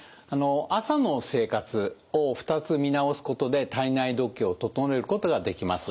朝の生活を２つ見直すことで体内時計を整えることができます。